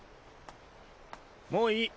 もういい。